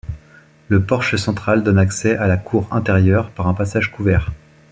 Le porche central donne accès à la cour intérieure par un passage couvert.